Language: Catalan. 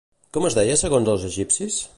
Com es deia segons els egipcis?